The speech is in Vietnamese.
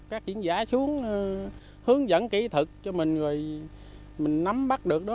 các chuyên gia xuống hướng dẫn kỹ thuật cho mình rồi mình nắm bắt được đó